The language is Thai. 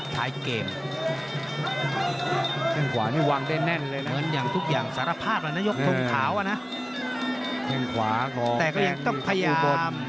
ท้ายเกม